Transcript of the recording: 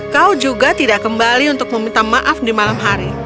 kau juga tidak kembali untuk meminta maaf di malam hari